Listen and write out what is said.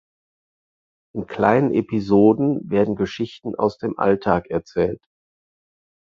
In kleinen Episoden werden Geschichten aus dem Alltag erzählt.